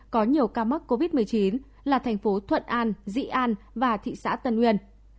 có nhiều ca mắc covid một mươi chín là thành phố thuận an dĩ an và thị xã tân uyên